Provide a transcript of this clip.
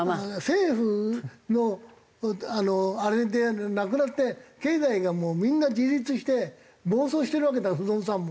政府のあれでなくなって経済がみんな自立して暴走してるわけだ不動産も。